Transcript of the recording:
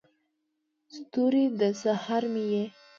ستوری، د سحر مې یې